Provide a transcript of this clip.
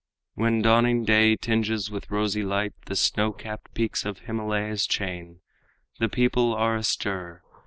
When dawning day tinges with rosy light The snow capped peaks of Himalaya's chain, The people are astir.